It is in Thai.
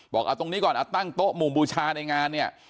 บอกเอาตรงนี้ก่อนตั้งโต๊ะหมู่บูชาในงานเนี่ย